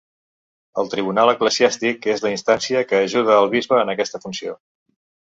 El tribunal eclesiàstic és la instància que ajuda el bisbe en aquesta funció.